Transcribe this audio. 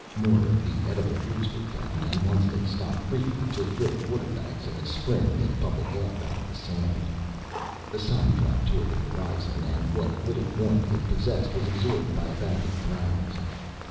More of the edible roots were found, and once they stopped briefly to fill the water bags at a spring that bubbled up out of the sand. The sun dropped towards the horizon and what little warmth it possessed was absorbed by a bank of clouds.